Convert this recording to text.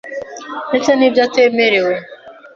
ndtse n’ibyo atemerewe.